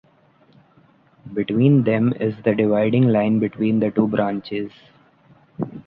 Between them is the dividing line between the two branches.